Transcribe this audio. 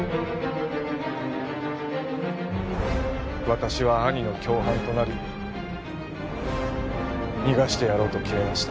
私は兄の共犯となり逃がしてやろうと決めました